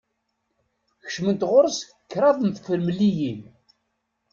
Kecment ɣer-s kraḍ n tefremliyin.